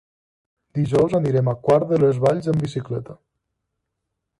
Dijous anirem a Quart de les Valls amb bicicleta.